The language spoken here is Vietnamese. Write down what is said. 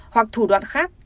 hoặc thủ đoạn khác